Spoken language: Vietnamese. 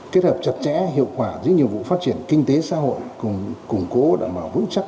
kết hợp chặt chẽ hiệu quả giữa nhiệm vụ phát triển kinh tế xã hội cùng củng cố đảm bảo vững chắc